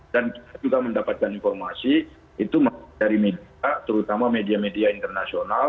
dan kita juga mendapatkan informasi itu dari media terutama media media internasional